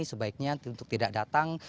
sebaiknya untuk tidak datang